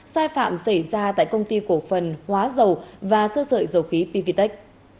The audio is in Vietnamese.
sai phạm xảy ra tại công ty cổ phần hóa dầu và sơ sợi dầu khí pvtec